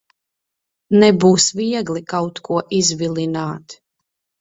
Nebūs viegli kaut ko izvilināt.